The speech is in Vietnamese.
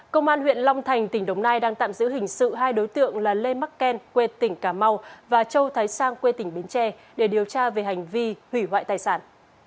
công an huyện long thành tỉnh đồng nai đang tạm giữ hình sự hai đối tượng là lê men quê tỉnh cà mau và châu thái sang quê tỉnh bến tre để điều tra về hành vi hủy hoại tài sản